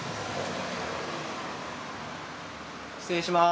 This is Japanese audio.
失礼します。